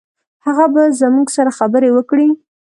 هغه به زموږ سره خبرې وکړي.